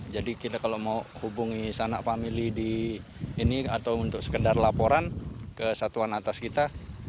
jadi kita kalau mau hubungi sanak famili di ini atau untuk sekedar laporan ke satuan atas kita